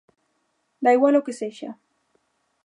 Dá igual o que sexa.